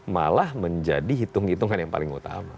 malah menjadi hitung hitungan yang paling utama